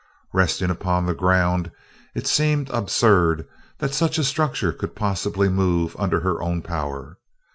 Resting upon the ground, it seemed absurd that such a structure could possibly move under her own power.